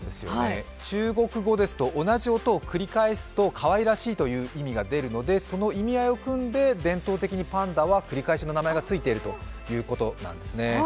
中国語ですと、同じ言葉を繰り返すとかわいらしいということがあるので、その意味合いをくんで伝統的にパンダは繰り返しの名前がついているということなんですね。